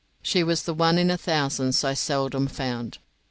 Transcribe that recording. She was the one in a thousand so seldom found.